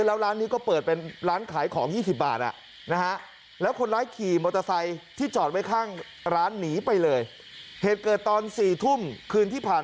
แล้วร้านนี้ก็เปิดเป็นร้านขายของ